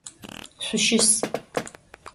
Şüşıs!